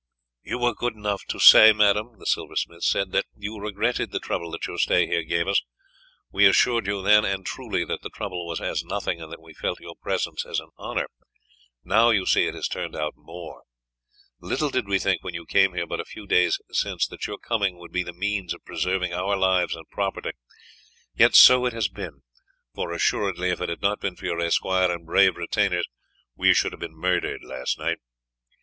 "You were good enough to say, madame," the silversmith said, "that you regretted the trouble that your stay here gave us. We assured you then, and truly, that the trouble was as nothing, and that we felt your presence as an honour; now you see it has turned out more. Little did we think when you came here but a few days since that your coming would be the means of preserving our lives and property, yet so it has been, for assuredly if it had not been for your esquire and brave retainers we should have been murdered last night.